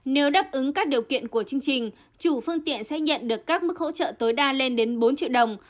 nếu đáp ứng các điều kiện của chương trình chủ phương tiện sẽ nhận được các mức hỗ trợ tối đa lên đến bốn triệu đồng